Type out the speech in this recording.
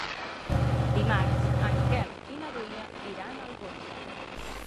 Dimarts en Quel i na Dúnia iran a Algorfa.